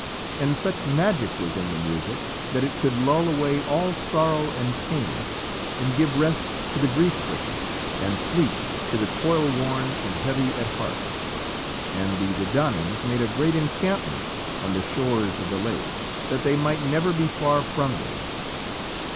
And such magic was in the music that it could lull away all sorrow and pain, and give rest to the grief stricken and sleep to the toil worn and the heavy at heart. And the Dedannans made a great encampment on the shores of the lake that they might never be far from them.